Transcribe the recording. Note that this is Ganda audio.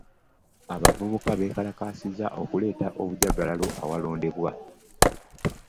Abavubuka be bakyasinze okuleeta obujjagalalo mu bifo awalondebwa.